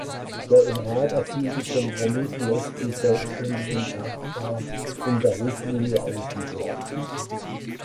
Der im Rat erzielte Kompromiss lässt die selbständigen Kraftfahrer in der Richtlinie außen vor.